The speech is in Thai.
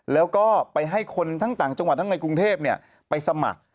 แล้วก็ไปให้คนทั้งต่างจังหวัดทั้งในกรุงเทพไปสมัคร